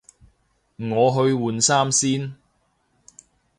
我去換衫先